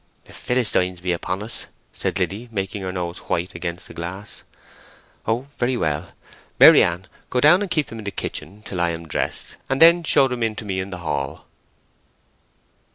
"The Philistines be upon us," said Liddy, making her nose white against the glass. "Oh, very well. Maryann, go down and keep them in the kitchen till I am dressed, and then show them in to me in the hall."